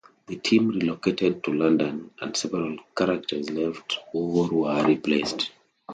The team relocated to London and several characters left or were replaced.